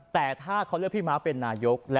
แต่ถ้าเขาเลือกพี่ม้าเป็นนายก